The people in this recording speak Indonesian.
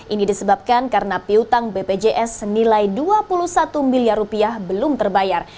ini disebabkan karena piutang bpjs senilai dua puluh satu miliar rupiah belum terbayar